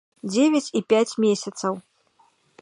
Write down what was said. Дзевяць і пяць месяцаў.